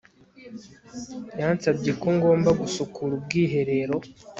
yansabye ko ngomba gusukura ubwiherero